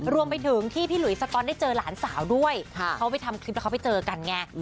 รวมไปถึงที่พี่หลุยสก๊อนได้เจอหลานสาวด้วยเขาไปทำคลิปแล้วเขาไปเจอกันไง